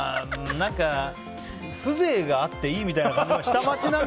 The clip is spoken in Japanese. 風情があっていいみたいな感じみたいな。